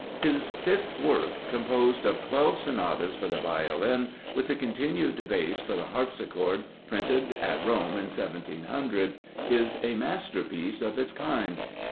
His fifth work, composed of twelve sonatas for the Violin, with the continued Bass for the Harpsichord, printed at Rome in 1700, is a masterpiece of its kind.